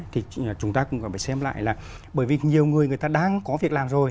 thì chúng ta cũng có phải xem lại là bởi vì nhiều người người ta đang có việc làm rồi